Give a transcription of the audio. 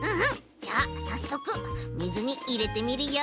じゃあさっそくみずにいれてみるよ。